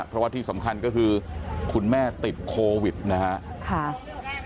เพราะว่าที่สำคัญก็คือคุณแม่ติดโควิดนะครับ